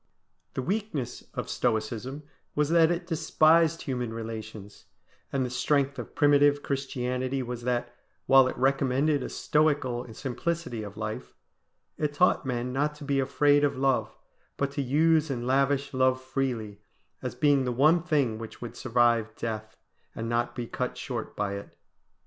The weakness of Stoicism was that it despised human relations; and the strength of primitive Christianity was that, while it recommended a Stoical simplicity of life, it taught men not to be afraid of love, but to use and lavish love freely, as being the one thing which would survive death and not be cut short by it.